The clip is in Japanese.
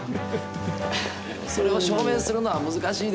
それを証明するのは難しいですよね。